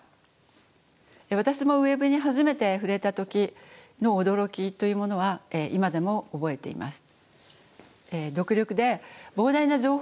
私もＷｅｂに初めて触れた時の驚きというものは今でも覚えています。